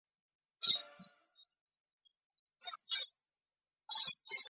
利用体外受精技术生产出来的婴儿称为试管婴儿。